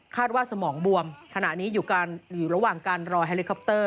ว่าสมองบวมขณะนี้อยู่ระหว่างการรอแฮลิคอปเตอร์